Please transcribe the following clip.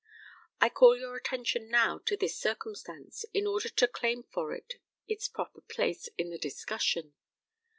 I call your attention now to this circumstance in order to claim for it its proper place in the discussion.